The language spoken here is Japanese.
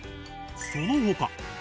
その他え！